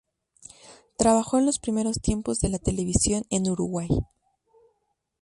Trabajó en los primeros tiempos de la televisión en Uruguay.